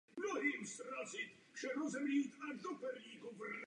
Může to být motivováno politicky nebo třeba osobně.